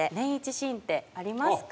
シーンってありますか？